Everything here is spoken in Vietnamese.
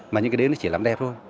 mà những cái đấy nó chỉ làm đẹp thôi